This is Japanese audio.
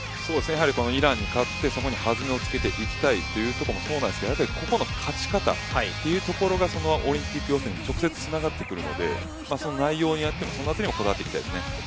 やはりこのイランに勝って弾みをつけていきたいというところもそうですがここの勝ち方というところが、そのままオリンピック予選に直接つながってくるのでその内容によって行っていきたいですね。